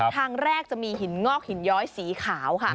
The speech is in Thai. ทางแรกจะมีหินงอกหินย้อยสีขาวค่ะ